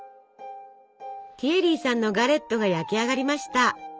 ティエリーさんのガレットが焼き上がりました。